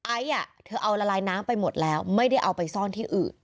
ไอซ์เธอเอาละลายน้ำไปหมดแล้วไม่ได้เอาไปซ่อนที่อื่น